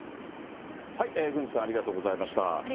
郡司さん、ありがとうございました。